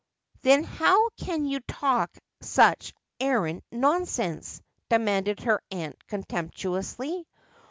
'Then how can you talk such arrant nonsense ?' demanded her aunt contemptuously.